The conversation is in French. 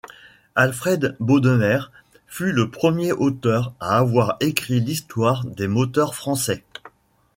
Alfred Bodemer fut le premier auteur à avoir écrit l'histoire des moteurs français.